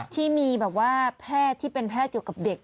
ที่มีแบบว่าแพทย์ที่เป็นแพทย์เกี่ยวกับเด็ก